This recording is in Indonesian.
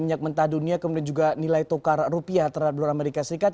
minyak mentah dunia kemudian juga nilai tukar rupiah terhadap dolar amerika serikat